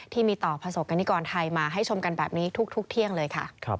ที่มีต่อประสบกรณิกรไทยมาให้ชมกันแบบนี้ทุกเที่ยงเลยค่ะ